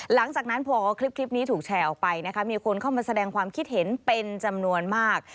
หลังจากนั้นพอคลิปนี้ถูกแชร์ออกไปนะคะมีคนเข้ามาแสดงความคิดเห็นเป็นจำนวนมาก